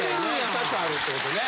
２つあるってことね。